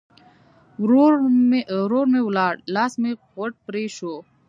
ورور م ولاړ؛ لاس مې غوټ پرې شو.